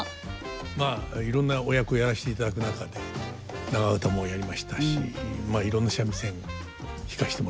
まあいろんなお役をやらせていただく中で長唄もやりましたしまあいろんな三味線弾かせてもらいました。